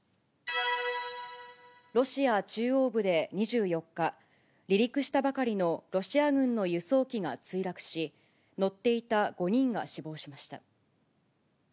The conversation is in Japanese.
ロシア中央部で２４日、離陸したばかりのロシア軍の輸送機が墜落し、乗っていた５人が死亡しました。